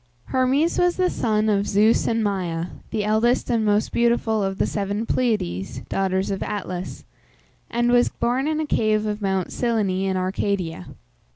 Hermes was the son of Zeus and Maia, the eldest and most beautiful of the seven Pleiades (daughters of Atlas), and was born in a cave of Mount Cyllene in Arcadia.